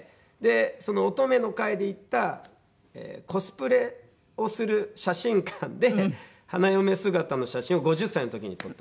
その乙女の会で行ったコスプレをする写真館で花嫁姿の写真を５０歳の時に撮った。